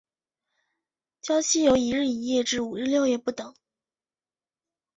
醮期由一日一夜至五日六夜不等。